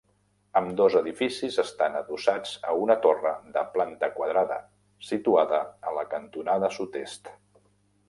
Ambdós edificis estan adossats a una torre de planta quadrada situada a la cantonada sud-est.